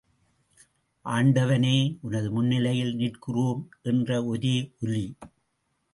ஆண்டவனே உனது முன்னிலையில் நிற்கிறோம் என்ற ஒரே ஒலி.